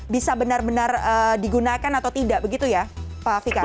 bisa benar benar digunakan atau tidak begitu ya pak fikar